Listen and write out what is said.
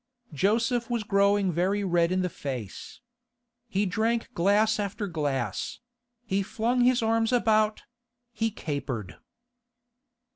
Joseph was growing very red in the face. He drank glass after glass; he flung his arms about; he capered.